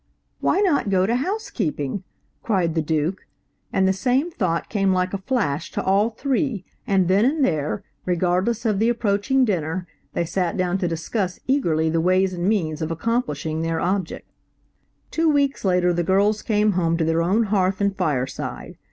"Why not go to housekeeping?" cried the Duke, and the same thought came like a flash to all three, and then and there, regardless of the approaching dinner, they sat down to discuss eagerly the ways and means of accomplishing their object. Two weeks later the girls came home to their own hearth and fireside.